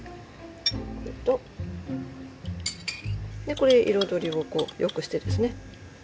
これ彩りをよくしてですね。